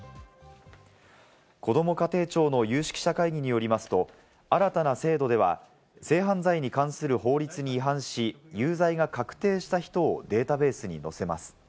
こども家庭庁の有識者会議によりますと、新たな制度では性犯罪に関する法律に違反し、有罪が確定した人をデータベースに載せます。